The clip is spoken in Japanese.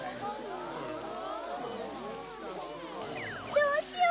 どうしよう？